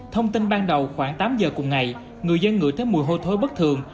thông tin ban đầu khoảng tám giờ cùng ngày người dân ngửi thấy mùi hôi thối bất thường